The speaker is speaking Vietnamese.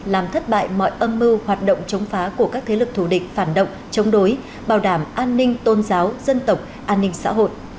làm thất bại mọi âm mưu hoạt động chống phá của các thế lực thù địch phản động chống đối bảo đảm an ninh tôn giáo dân tộc an ninh xã hội